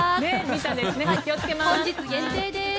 本日限定です。